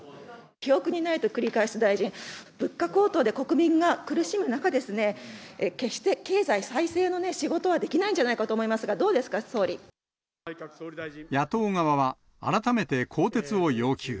記憶にないと繰り返す大臣、物価高騰で国民が苦しむ中ですね、決して経済再生の仕事はできないんじゃないかと思いますが、野党側は、改めて更迭を要求。